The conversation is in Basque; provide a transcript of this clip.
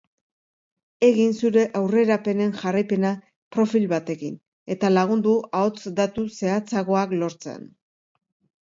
Egin zure aurrerapenen jarraipena profil batekin eta lagundu ahots-datu zehatzagoak lortzen.